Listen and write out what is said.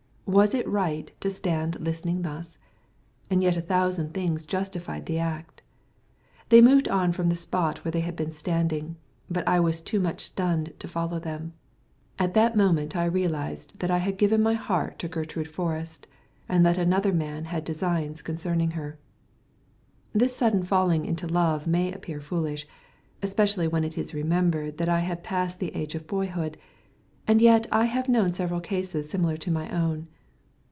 Was it right to stand listening thus? And yet a thousand things justified the act. They moved on from the spot where they had been standing, but I was too much stunned to follow them. At that moment I realized that I had given my heart to Gertrude Forrest, and that another man had designs concerning her. This sudden falling into love may appear foolish, especially when it is remembered that I had passed the age of boyhood, and yet I have known several cases similar to my own.